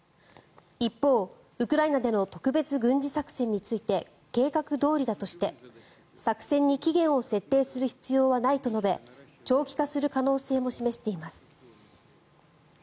一方、ウクライナでの特別軍事作戦について計画どおりだとして作戦に期限を設定する必要はないと述べ長期化する可能性も示しています。